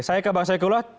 saya ke bang saikullah